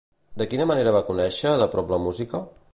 De quina manera va conèixer de prop la música?